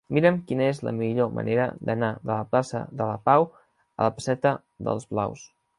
Mira'm quina és la millor manera d'anar de la plaça de la Pau a la placeta d'Els Blaus.